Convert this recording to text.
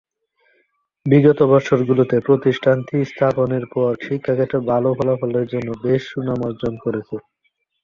বিগত বৎসর গুলোতে প্রতিষ্ঠানটি স্থাপনের পর শিক্ষা ক্ষেত্রে ভাল ফলাফলের জন্য বেশ সুনাম অর্জন করেছে।